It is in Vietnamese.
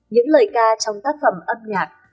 những lời ca trong tác phẩm âm nhạc